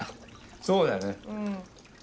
そうだね。